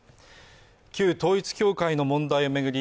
旧統一教会の問題を巡り